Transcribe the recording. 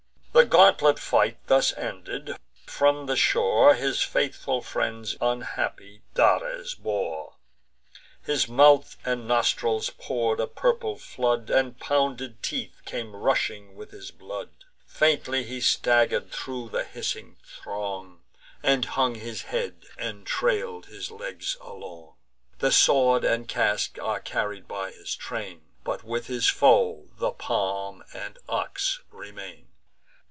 The gauntlet fight thus ended, from the shore His faithful friends unhappy Dares bore: His mouth and nostrils pour'd a purple flood, And pounded teeth came rushing with his blood. Faintly he stagger'd thro' the hissing throng, And hung his head, and trail'd his legs along. The sword and casque are carried by his train; But with his foe the palm and ox remain.